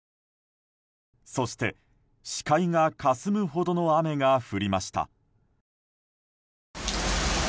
そして、視界がかすむほどの雨が降りました。